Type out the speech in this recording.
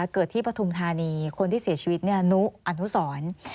เกิดที่ปฐุมธานีคนที่เสียชีวิตนุอนุสร